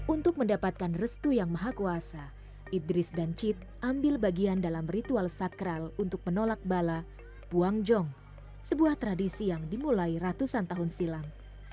untuk mendapatkan restu yang maha kuasa idris dan cit ambil bagian dalam ritual sakral untuk menolak bala buangjong sebuah tradisi yang dimulai ratusan tahun silam